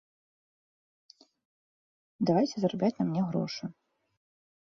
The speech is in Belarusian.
Давайце зарабляць на мне грошы!